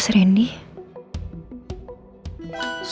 selamat tidur guys